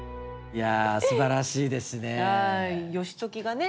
いやすばらしいですね。